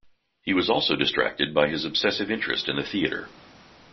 He was also distracted by his obsessive interest in the theater.